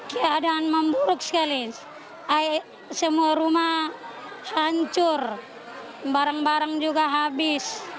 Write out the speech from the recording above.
keadaan memburuk sekali semua rumah hancur barang barang juga habis